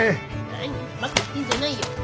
何バカ言ってんじゃないよ。